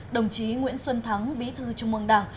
đồng chí nguyễn xuân thắng bí thư trung mương đảng